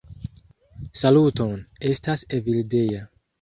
"Saluton, estas Evildea.